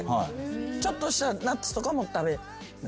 ちょっとしたナッツとかも食べない？